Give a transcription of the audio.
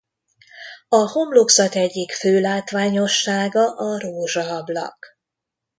A homlokzat egyik fő látványossága a rózsaablak.